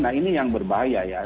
nah ini yang berbahaya ya